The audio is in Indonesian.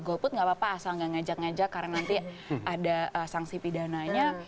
golput gak apa apa asal nggak ngajak ngajak karena nanti ada sanksi pidananya